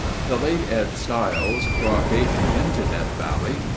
The late Ed Stiles brought Dayton into Death Valley.